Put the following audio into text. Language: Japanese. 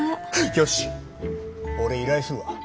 よし俺依頼するわ。